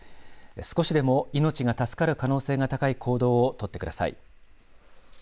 少しでも命が助かる可能性が高い行動を取ってください。